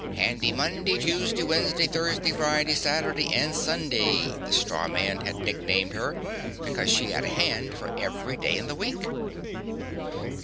"Handy Monday, Tuesday, Wednesday, Thursday, Friday, Saturday and Sunday," the straw man had nicknamed her because she had a hand for every day in the week.